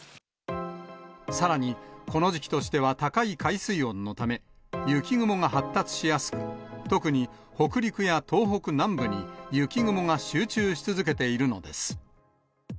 さらにこの時期としては高い海水温のため、雪雲が発達しやすく、特に北陸や東北南部に雪雲が集中し続けているのです。